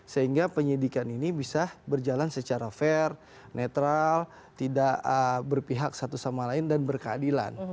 sehingga penyidikan ini bisa berjalan secara fair netral tidak berpihak satu sama lain dan berkeadilan